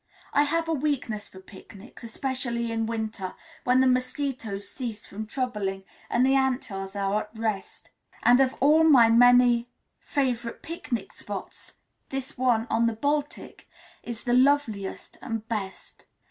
I have a weakness for picnics, especially in winter, when the mosquitoes cease from troubling and the ant hills are at rest; and of all my many favourite picnic spots this one on the Baltic is the loveliest and best.